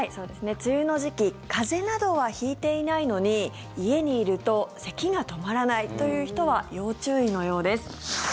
梅雨の時期風邪などは引いていないのに家にいると、せきが止まらないという人は要注意のようです。